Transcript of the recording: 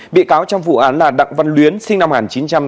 bị cáo trong vụ án là đặng văn luyến sinh năm một nghìn chín trăm tám mươi